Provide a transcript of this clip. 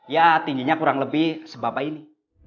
ya tingginya kurang lebih sebab ini